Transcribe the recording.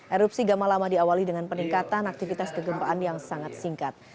erupsi gamalama diawali dengan peningkatan aktivitas kegempaan yang sangat singkat